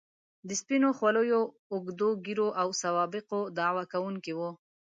د سپینو خولیو، اوږدو ږیرو او سوابقو دعوه کوونکي وو.